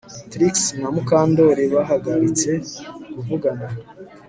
Trix na Mukandoli bahagaritse kuvugana